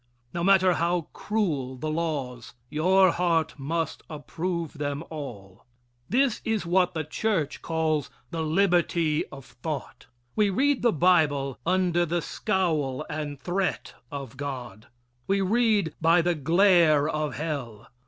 No matter how cruel the laws, your heart must approve them all!" This is what the church calls the liberty of thought. We read the Bible under the scowl and threat of God. We read by the glare of hell.